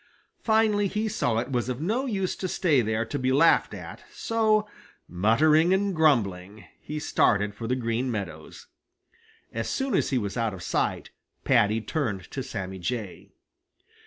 Finally he saw it was of no use to stay there to be laughed at, so, muttering and grumbling, he started for the Green Meadows. As soon as he was out of sight Paddy turned to Sammy Jay.